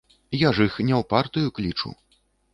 Я ж іх не ў партыю клічу.